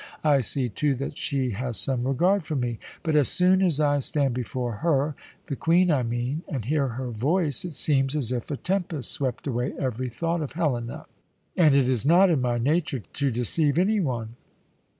I see, too, that she has some regard for me. But as soon as I stand before her the Queen, I mean and hear her voice, it seems as if a tempest swept away every thought of Helena, and it is not in my nature to deceive any one.